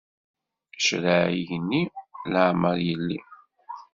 Ccṛaɛ igenni leɛmeṛ yelli.